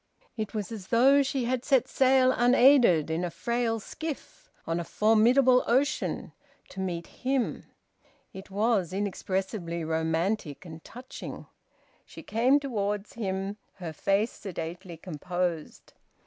It was as though she had set sail unaided, in a frail skiff, on a formidable ocean, to meet him. It was inexpressibly romantic and touching. She came towards him, her face sedately composed.